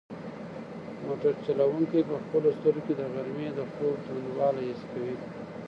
موټر چلونکی په خپلو سترګو کې د غرمې د خوب دروندوالی حس کوي.